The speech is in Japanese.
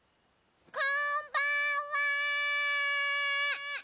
こんばんは！